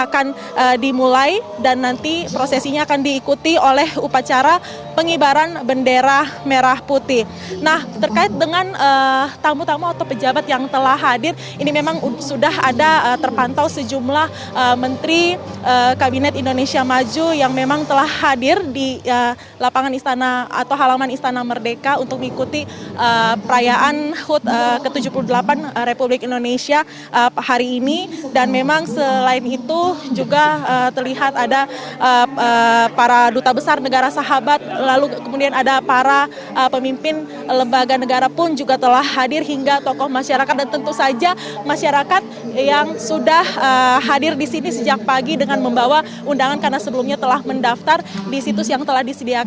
karena ada yang mengatakan ini adalah tarian bumi aekula ya